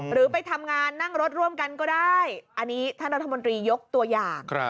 หรือไปทำงานนั่งรถร่วมกันก็ได้อันนี้ท่านรัฐมนตรียกตัวอย่าง